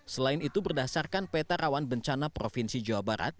selain itu berdasarkan peta rawan bencana provinsi jawa barat